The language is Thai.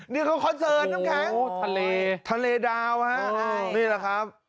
นี่เขาคอนเสิร์ตน้ำแข็งทะเลทะเลดาวฮะนี่แหละครับ